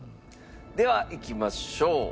ではいきましょう。